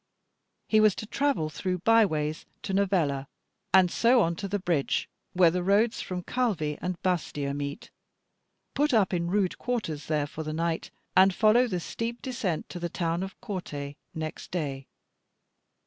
He was to travel through by ways to Novella, and so on to the bridge where the roads from Calvi and Bastia meet, put up in rude quarters there for the night, and follow the steep descent to the town of Corte next day.